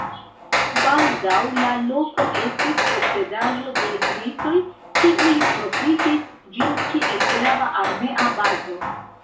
Baldaŭ la loko estis posedaĵo de britoj, kiuj profitis ĝin kiel grava armea bazo.